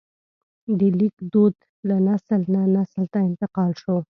د لیک دود له نسل نه نسل ته انتقال شو.